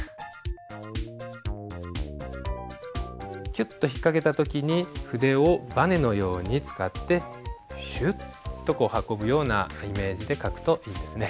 キュッと引っ掛けた時に筆をばねのように使ってシュッとこう運ぶようなイメージで書くといいですね。